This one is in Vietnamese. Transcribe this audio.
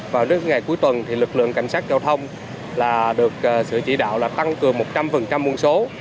vào những ngày cuối tuần lực lượng cảnh sát giao thông được sự chỉ đạo tăng cường một trăm linh muôn số